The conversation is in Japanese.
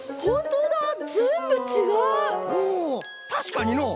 おたしかにのう。